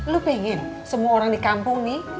lu pengen semua orang di kampung nih